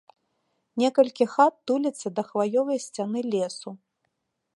Некалькі хат туліцца да хваёвай сцяны лесу.